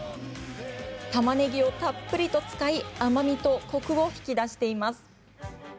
たまねぎをたっぷり使い甘みとコクを引き出しています。